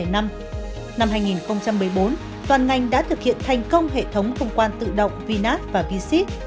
năm hai nghìn một mươi bốn toàn ngành đã thực hiện thành công hệ thống thông quan tự động vinas và v sip